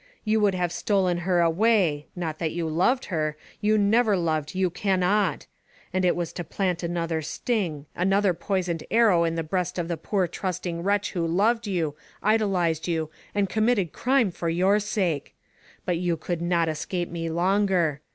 You would have stolen her away, not that you loved her — you never loved, you cannot — and it was to plant another sting, an other poisoned arrow in the breast of the poor trusting wretch who loved you, idolized you, and committed crime for your sake. But you could not escape me longer.